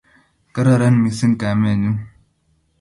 Kararan mising kamenyu